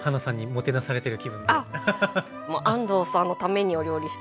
もう安藤さんのためにお料理してますからね。